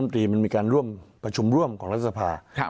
ที่ไม่มีนิวบายในการแก้ไขมาตรา๑๑๒